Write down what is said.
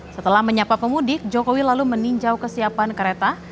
setelah menyapa pemudik jokowi lalu meninjau kesiapan kereta